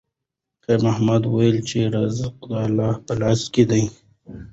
خیر محمد وویل چې رزق د الله په لاس کې دی.